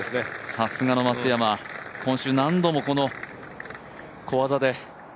さすがの松山、今週何度もこの小技で。